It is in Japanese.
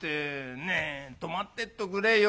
ねえ泊まってっておくれよ。